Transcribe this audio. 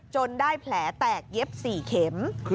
ได้แผลแตกเย็บ๔เข็ม